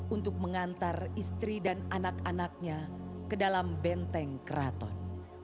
untuk mengantar istri dan anak anaknya ke dalam benteng keraton